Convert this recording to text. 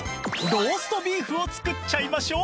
ローストビーフを作っちゃいましょう！